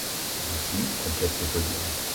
La Russie complète le podium.